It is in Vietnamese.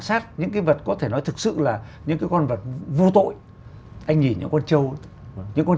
sát những cái vật có thể nói thực sự là những cái con vật vô tội anh nhìn những con trâu những con